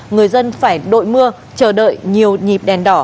người dân phải đội mưa chờ đợi nhiều nhịp đèn đỏ mới có thể di chuyển đường